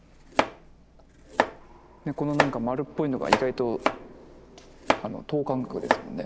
このなんか丸っぽいのが意外と等間隔ですもんね